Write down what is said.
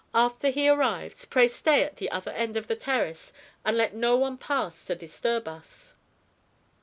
After he arrives, pray stay at the other end of the terrace and let no one pass to disturb us."